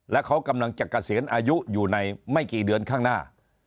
และเขากำลังจะเกษียณอายุอยู่ในไม่กี่เดือนข้างหน้า